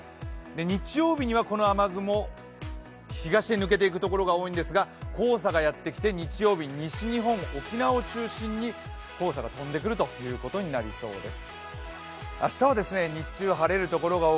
日曜日にはこの雨雲、東へ抜けていくところが多いんですが、黄砂がやってきて西日本、沖縄を中心に黄砂が飛んでくるということになりそうです。